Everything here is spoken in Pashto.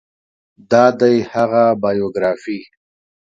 دا دی هغه بایوګرافي